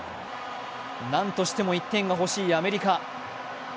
何としても１点が欲しいアメリカ。